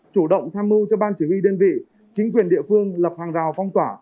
chủ động tham mưu cho ban chỉ huy đơn vị chính quyền địa phương lập hàng rào phong tỏa